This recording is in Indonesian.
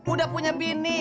udah punya bini